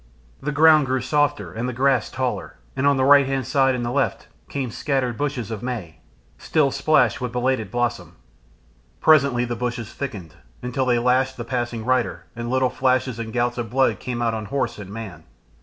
The ground grew softer and the grass taller, and on the right hand side and the left came scattered bushes of May still splashed with belated blossom. Presently the bushes thickened until they lashed the passing rider, and little flashes and gouts of blood came out on horse and man.